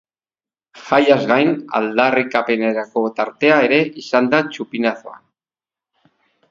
Jaiaz gain, aldarrikapenerako tartea ere izan da txupinazoan.